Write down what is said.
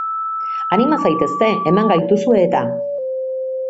Anima zaitezte, hemen gaituzue eta!